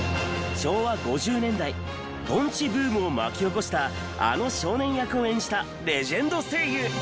昭和５０年代とんちブームを巻き起こしたあの少年役を演じたレジェンド声優。